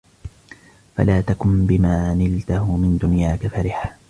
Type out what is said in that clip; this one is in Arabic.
فَلَا تَكُنْ بِمَا نِلْته مِنْ دُنْيَاك فَرِحًا